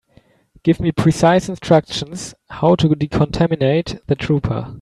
Give me precise instructions how to decontaminate the trooper.